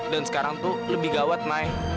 dan sekarang tuh lebih gawat mai